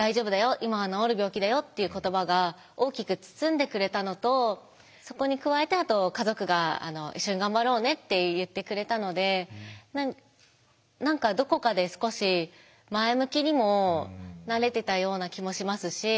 今は治る病気だよ」っていう言葉が大きく包んでくれたのとそこに加えて家族が「一緒に頑張ろうね」って言ってくれたので何かどこかで少し前向きにもなれてたような気もしますし。